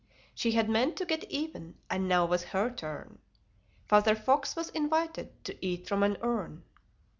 She had meant to get even, and now was her turn: Father Fox was invited to eat from an urn.